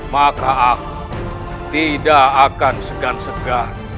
maka aku tidak akan segan segan